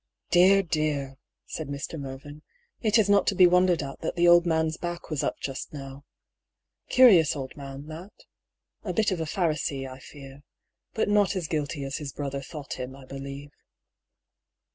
" Dear, dear !" said Mr. Mervyn. " It is not to be wondered at that the old man's back was up just now. Curious old man, that. A bit of a Pharisee, I fear. But not as guilty as his brother thought him, I be lieve."